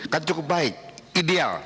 kan cukup baik ideal